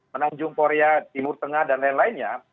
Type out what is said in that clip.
menanjung korea timur tengah dan lain lainnya